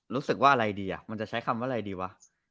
รู้สึกว่าอะไรดีอ่ะมันจะใช้คำว่าอะไรดีวะ